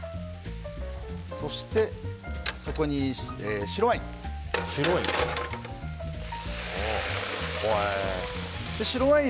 そして、そこに白ワイン。